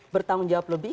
bertanggung jawab lebih